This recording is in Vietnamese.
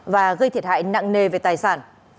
và gây thiệt hại nặng nề về tài sản